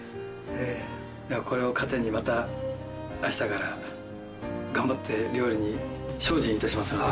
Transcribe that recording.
これを糧にまた明日から頑張って料理に精進致しますので。